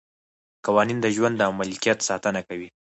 قوانین د ژوند او ملکیت ساتنه کوي.